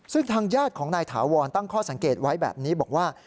ซึ่งทางญาติของนายถาวรตั้งข้อสังเกตไว้แบบนี้บอกว่า